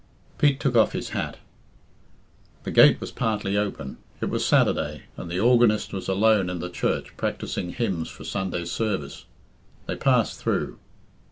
Pete took off his hat. The gate was partly open. It was Saturday, and the organist was alone in the church practising hymns for Sunday's services. They passed through.